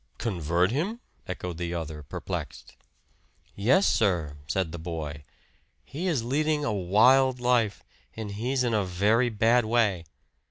"Convert him?" echoed the other perplexed. "Yes, sir," said the boy. "He is leading a wild life, and he's in a very bad way."